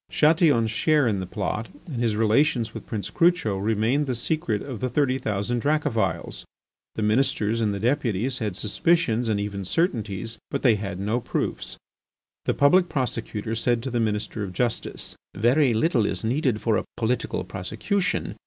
Chatillon's share in the plot and his relations with Prince Crucho remained the secret of the thirty thousand Dracophils. The Ministers and the Deputies had suspicions and even certainties, but they had no proofs. The Public Prosecutor said to the Minister of justice: "Very little is needed for a political prosecution!